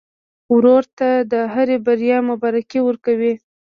ورور ته د هرې بریا مبارکي ورکوې.